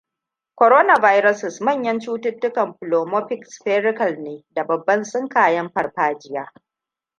Coronaviruses manyan cututtukan pleomorphic spherical ne da babban sinkayen farfajiya.